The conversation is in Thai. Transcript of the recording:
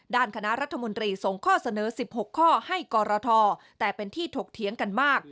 คณะรัฐมนตรีส่งข้อเสนอ๑๖ข้อให้กรทแต่เป็นที่ถกเถียงกันมาก